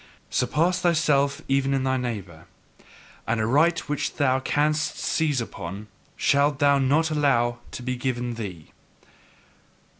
Surpass thyself even in thy neighbour: and a right which thou canst seize upon, shalt thou not allow to be given thee!